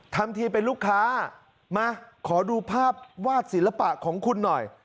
ทำทีเป็นลูกค้ามาขอดูภาพวาดศิลปะของคุณหน่อย